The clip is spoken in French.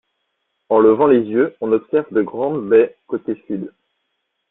En levant les yeux, on observe de grandes baies côté sud.